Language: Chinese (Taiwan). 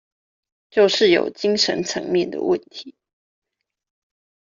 就是有精神層面的問題